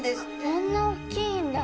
あんなおっきいんだ！